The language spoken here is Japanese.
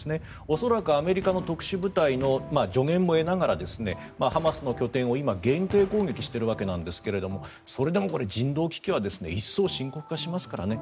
恐らくアメリカの特殊部隊の助言も得ながらハマスの拠点を今限定攻撃しているわけなんですがそれでも人道危機は一層深刻化しますからね。